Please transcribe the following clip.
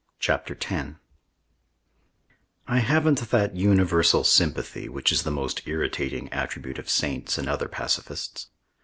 CHAPTER X I haven't that universal sympathy which is the most irritating attribute of saints and other pacifists.